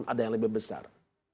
ada yang lebih besar